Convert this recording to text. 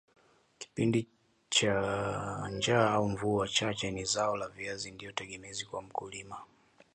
kipindi cha njaa au mvua chache ni zao la viazi ndio tegemezi kwa mkulima